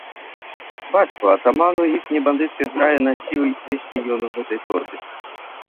Бацьку, атаману іхняй бандыцкай зграі, насіў есці ён у гэтай торбе.